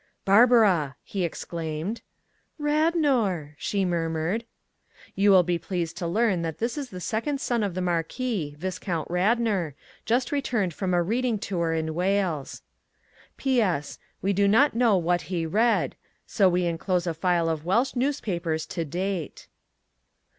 "Barbara!" he exclaimed. "Radnor," she murmured. You will be pleased to learn that this is the second son of the Marquis, Viscount Radnor, just returned from a reading tour in Wales. P. S. We do not know what he read, so we enclose a file of Welsh newspapers to date.